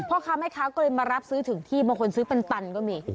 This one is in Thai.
พ่อค้าแม่ค้าก็เลยมารับซื้อถึงที่บางคนซื้อเป็นตันก็มี